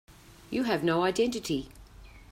You have no identity.